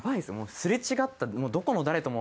すれ違った。